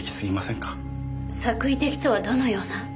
作為的とはどのような。